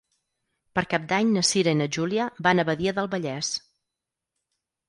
Per Cap d'Any na Cira i na Júlia van a Badia del Vallès.